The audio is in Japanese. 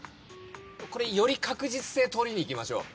これより確実性とりにいきましょう。